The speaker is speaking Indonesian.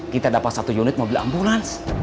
kita dapat satu unit mobil ambulans